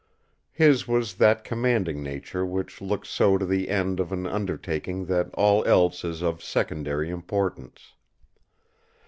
His was that commanding nature which looks so to the end of an undertaking that all else is of secondary importance.